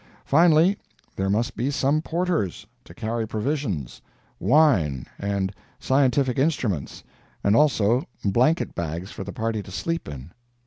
Finally, there must be some porters, to carry provisions, wine and scientific instruments, and also blanket bags for the party to sleep in.